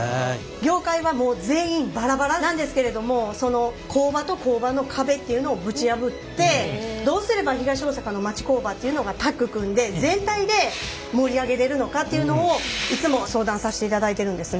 業界はもう全員バラバラなんですけれどもその工場と工場の壁っていうのをぶち破ってどうすれば東大阪の町工場っていうのがタッグ組んで全体で盛り上げれるのかっていうのをいつも相談させていただいてるんですね。